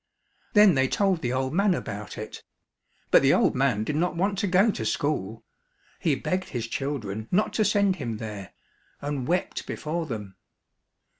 Then they told the old man about it ; but the old man did not want to go to school. He begged his children not to send him there, and wept before them.